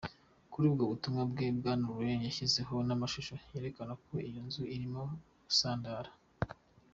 Kuri ubwo butumwa bwe, Bwana Ryan yashyizeho n'amashusho yerekana iyo nzu irimo gusandara.